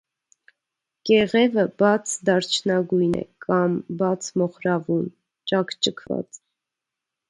Կեղևը բաց դարչնագույն է կամ բաց մոխրավուն, ճաքճքված։